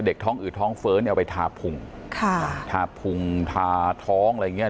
ท้องอืดท้องเฟ้อเนี่ยเอาไปทาพุงค่ะทาพุงทาท้องอะไรอย่างเงี้